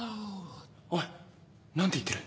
おい何て言ってる？